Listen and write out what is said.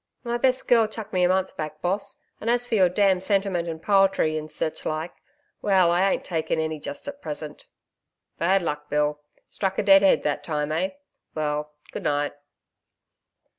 'My best girl chucked me a month back, boss, and as for your darned sentiment and poetry, and sech like well, I ain't takin' any just at present.' 'Bad luck, Bill! Struck a dead head that time, eh?... Well, good night.'